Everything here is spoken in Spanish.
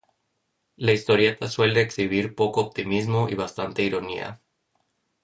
La historieta suele exhibir poco optimismo y bastante ironía.